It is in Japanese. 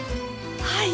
はい。